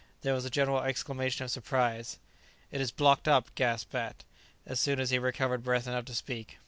There was a general exclamation of surprise. "It is blocked up," gasped Bat, as soon as he had recovered breath enough to speak.